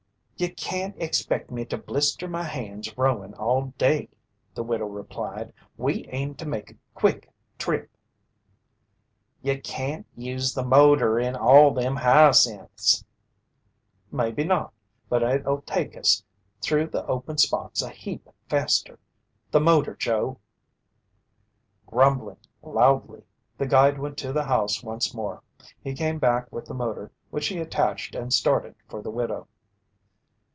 "Ye can't expect me to blister my hands rowin' all day," the widow replied. "We aim to make a quick trip." "Ye can't use the motor in all them hyacinths!" "Maybe not, but it'll take us through the open spots a heap faster. The motor, Joe." Grumbling loudly, the guide went to the house once more. He came back with the motor which he attached and started for the widow.